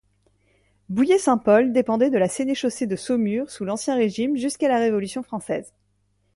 Bouillé-Saint-Paul dépendait de la sénéchaussée de Saumur sous l'Ancien Régime jusqu'à la Révolution française.